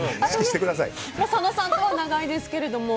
佐野さんとは長いですけど。